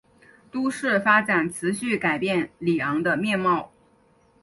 都市发展持续改变里昂的面貌。